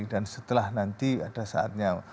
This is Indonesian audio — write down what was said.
dan setelah nanti ada saatnya